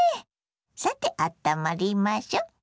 さてあったまりましょ。